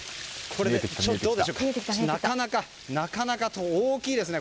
なかなか大きいですね。